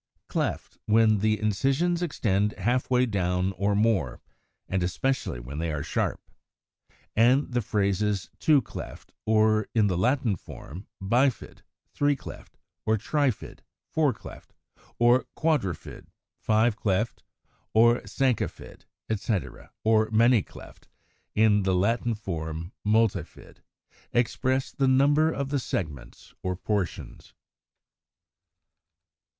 Cleft, when the incisions extend half way down or more, and especially when they are sharp; as in Fig. 149, 153. And the phrases two cleft, or, in the Latin form, bifid, three cleft or trifid, four cleft or quadrifid, five cleft or quinquefid, etc., or many cleft, in the Latin form, multifid, express the number of the Segments, or portions.